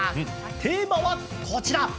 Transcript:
テーマはこちら！